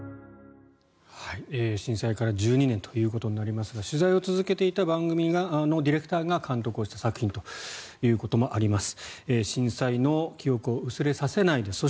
震災から１２年ということになりますが取材を続けていた番組のディレクターが監督をした作品ということもあります。